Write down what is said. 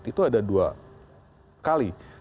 itu ada dua kali